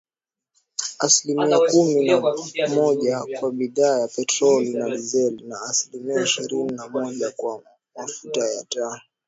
Asilimia kumi na moja kwa bidhaa ya petroli na dizeli, na asilimia ishirini na moja kwa mafuta ya taa